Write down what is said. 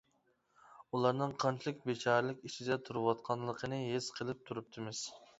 ئۇلارنىڭ قانچىلىك بىچارىلىك ئىچىدە تۇرۇۋاتقانلىقىنى ھېس قىلىپ تۇرۇپتىمىز.